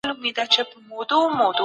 فساد د ټولني د تباهۍ لامل ګرځي.